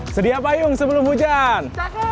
sedia payung sebelum hujan